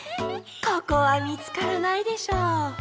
ここはみつからないでしょう。